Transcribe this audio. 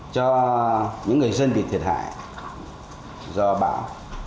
do những người dân bị thiệt hại do bão